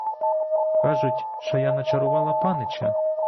Кажуть, що я чарувала панича?